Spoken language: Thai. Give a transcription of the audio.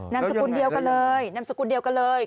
นามสกุลเดียวกันเลยนามสกุลเดียวกันเลย